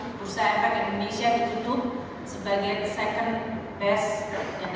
perusahaan mpeg indonesia ditutup sebagai second best